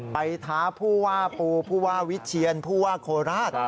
ท้าผู้ว่าปูผู้ว่าวิเชียนผู้ว่าโคราช